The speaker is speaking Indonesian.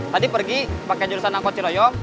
tadi pergi pakai jurusan angkot ciloyo